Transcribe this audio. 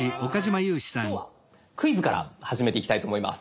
今日はクイズから始めていきたいと思います。